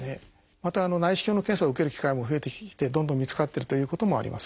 また内視鏡の検査を受ける機会も増えてきてどんどん見つかってるということもあります。